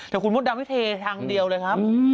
แต่คุณมดดำให้เททางเดียวเลยครับ